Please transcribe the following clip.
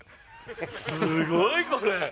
すごい、これ。